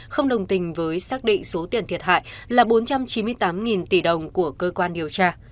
không đồng tình với xác định số tiền thiệt hại là bốn trăm chín mươi tám tỷ đồng của cơ quan điều tra